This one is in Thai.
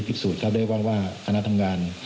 ผิดสูตรเข้าได้ว่าคณะทำงาน